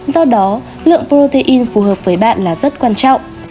do đó lượng protein phù hợp với bạn là rất quan trọng